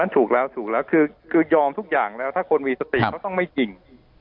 ถูกแล้วถูกแล้วคือยอมทุกอย่างแล้วถ้าคนมีสติก็ต้องไม่จริง